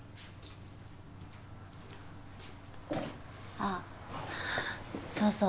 あっそうそう。